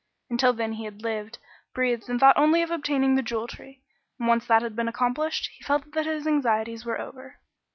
Until then he had lived, breathed, and thought only of obtaining the Jewel Tree, and once that had been accomplished, he felt that his anxieties were over.